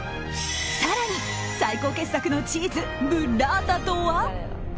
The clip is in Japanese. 更に、最高傑作のチーズブッラータとは？